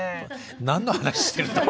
何の話してるんだ？